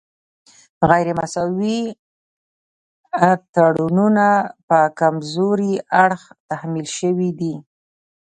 غیر مساوي تړونونه په کمزوري اړخ تحمیل شوي دي